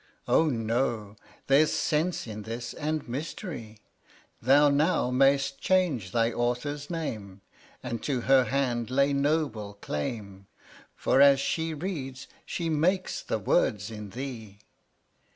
Oh no; there's sense in this, and mystery; Thou now may'st change thy authors name, And to her hand lay noble claim; For as she reads, she makes the words in thee.